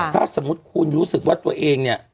ถ้าสมมุติคุณรู้สึกว่าตัวเองเนี่ย